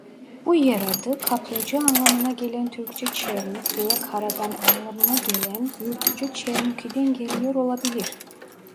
Bu yer adı kaplıca anlamına gelen Türkçe "Çermik" veya "kara dam" anlamına gelen Gürcüce "Çermuki"den geliyor olabilir.